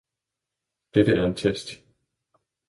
Dette er en test